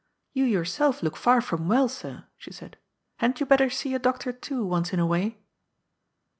"You yourself look far. from well, sir," she said. " Hadn't you better see a doctor too, once in a way?